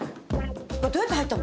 これどうやって入ったの？